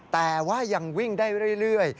แต่ว่ายังวิ่งได้เรื่อย